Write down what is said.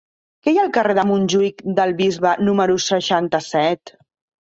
Què hi ha al carrer de Montjuïc del Bisbe número seixanta-set?